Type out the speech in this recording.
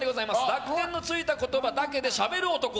濁点のついた言葉だけでしゃべる男。